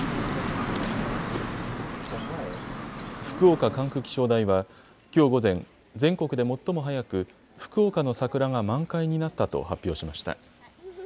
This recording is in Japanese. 福岡管区気象台はきょう午前、全国で最も早く福岡の桜が満開になったと発表しました。